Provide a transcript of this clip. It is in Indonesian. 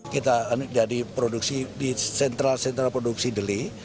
kita jadi produksi di sentral sentra produksi deli